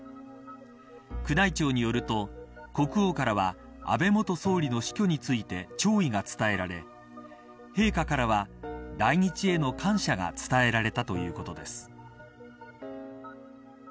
宮内庁によると国王からは安倍元総理の死去について弔意が伝えられ陛下からは、来日への感謝が伝えられたということです。